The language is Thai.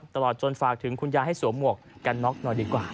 ตลอดจนฝากถึงคุณยายให้สวมหมวกกันน็อกหน่อยดีกว่า